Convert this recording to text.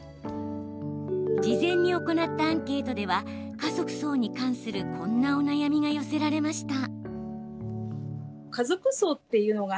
事前に行ったアンケートでは家族葬に関するこんなお悩みが寄せられました。